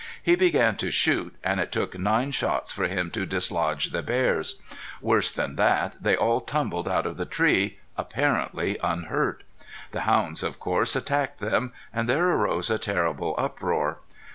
He began to shoot and it took nine shots for him to dislodge the bears. Worse than that they all tumbled out of the tree apparently unhurt. The hounds, of course, attacked them, and there arose a terrible uproar.